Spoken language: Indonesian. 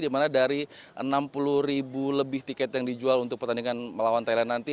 dimana dari enam puluh ribu lebih tiket yang dijual untuk pertandingan melawan thailand nanti